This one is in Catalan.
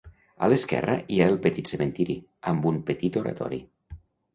A l'esquerra hi ha el petit cementeri, amb un petit oratori.